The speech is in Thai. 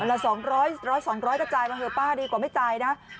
เอาล่ะ๒๐๐๒๐๐ก็จ่ายมาดีกว่าไม่จ่ายนะ